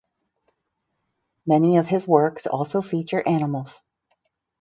Many of his works also feature animals.